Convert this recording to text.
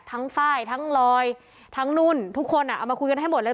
ไฟล์ทั้งลอยทั้งนู่นทุกคนเอามาคุยกันให้หมดเลย